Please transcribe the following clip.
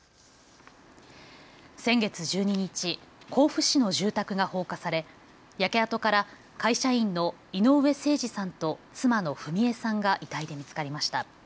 先月１２日、甲府市の住宅が放火され焼け跡から会社員の井上盛司さんと妻の章惠さんが遺体で見つかりました。